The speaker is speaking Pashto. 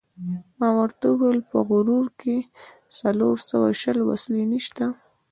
ما ورته وویل: په غرو کې څلور سوه شل وسلې نشته.